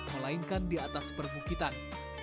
melainkan di atas permukitan